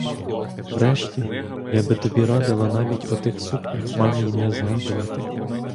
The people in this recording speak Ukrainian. Врешті, я би тобі радила навіть о тих сукнях мамі й не згадувати.